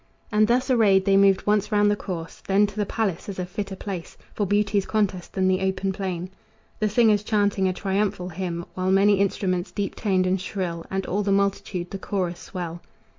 And thus arrayed they moved once round the course, Then to the palace, as a fitter place For beauty's contest than the open plain; The singers chanting a triumphal hymn, While many instruments, deep toned and shrill, And all the multitude, the chorus swell.